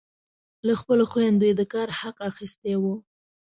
له خپلو خویندو یې د کار حق اخیستی وي.